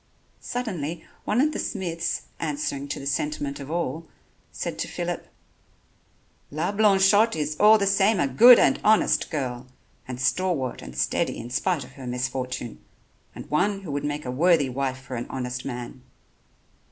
Suddenly, one of the smiths, answering to the sentiment of all, said to Phillip: "La Blanchotte is all the same a good and honest girl, and stalwart and steady in spite of her misfortune, and one who would make a worthy wife for a honest man."